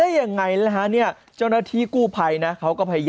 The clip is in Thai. เออนั่นแน่นั่นสิ